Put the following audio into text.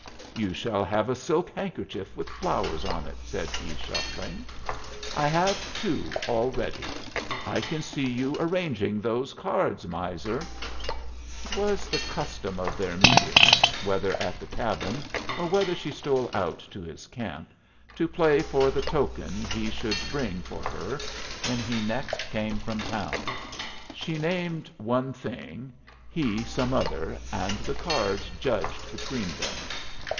"You shall have a silk handkerchief with flowers on it," said he, shuffling. "I have two already. I can see you arranging those cards, miser!" It was the custom of their meetings, whether at the cabin or whether she stole out to his camp, to play for the token he should bring for her when he next came from town. She named one thing, he some other, and the cards judged between them.